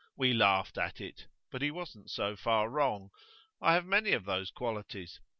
We laughed at it, but he wasn't so far wrong. I have many of those qualities.